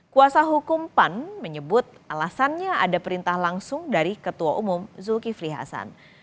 kuasa hukum pan menyebut alasannya ada perintah langsung dari ketua umum zulkifli hasan